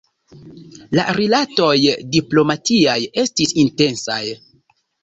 La rilatoj diplomatiaj estis intensaj.